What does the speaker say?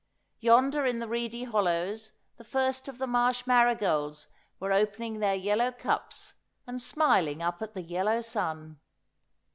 Yonder in the reedy hollows the first of the marsh marigolds were opening their yellow cups, and smiling up at the yellow sun.